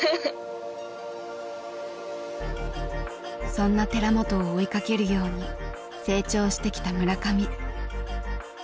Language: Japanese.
そんな寺本を追いかけるように成長してきた村上。